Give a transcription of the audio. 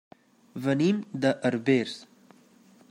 Venim de Herbers.